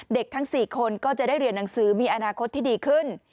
ทั้ง๔คนก็จะได้เรียนหนังสือมีอนาคตที่ดีขึ้น